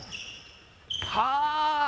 はあ。